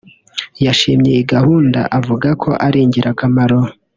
yashimye iyi gahunda avuga ko ari ingirakamaro